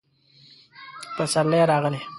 پسرلی راغلی